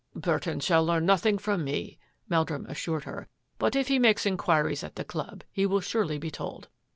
" Burton shall learn nothing from me," Mel drum assured her, " but if he makes inquiries at the club, he will surely be told.